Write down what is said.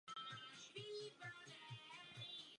Později byla na Nejedlého síť napojeny sítě mjr.